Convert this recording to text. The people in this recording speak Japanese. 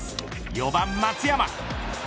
４番、松山。